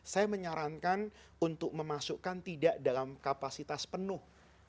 saya menyarankan untuk memasukkan tidak dalam kapasitas penuh